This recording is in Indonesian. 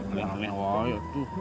alam alamnya awal ya tuh